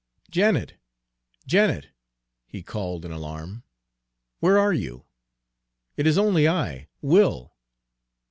"Janet, Janet!" he called in alarm, "where are you? It is only I, Will!"